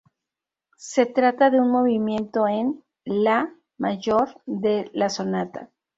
Se trata de un movimiento en La Mayor de la sonata.